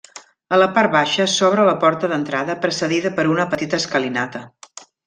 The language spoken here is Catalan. A la part baixa s'obre la porta d'entrada precedida per una petita escalinata.